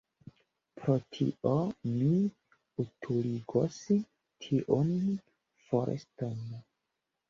Pro tio, mi utiligos tiun foreston.